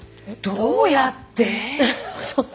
どうやってって。